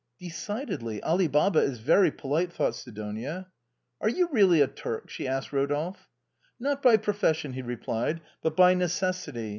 '"" Decidedly, Ali Baba is very polite," thought Sidonia. " Are you really a Turk? " she asked Rodolphe. " Not by profession," he replied, " but by necessity.